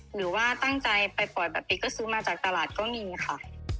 หรือว่าตั้งใจไปปล่อยแบบนี้ก็ซื้อมาจากตลาดก็มีค่ะ